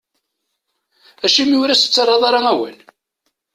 Acimi ur as-tettarraḍ ara awal?